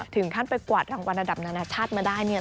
ถึงขั้นไปกวาดรางวัลระดับนานาชาติมาได้เนี่ย